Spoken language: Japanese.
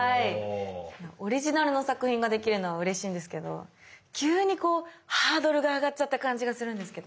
オリジナルの作品ができるのはうれしいんですけど急にハードルが上がっちゃった感じがするんですけど。